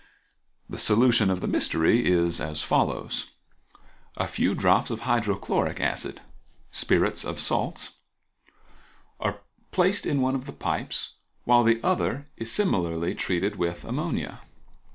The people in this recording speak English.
The solution of the mystery is as follows:—A few drops of hydrochloric acid (spirits of salts) are placed in one of the pipes, while the other is similarly treated with ammonia.